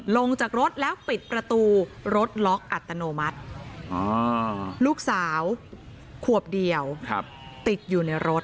ลงจากรถแล้วปิดประตูรถล็อกอัตโนมัติลูกสาวขวบเดียวติดอยู่ในรถ